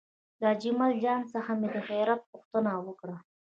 له اجمل جان څخه مې د خیریت پوښتنه وکړه.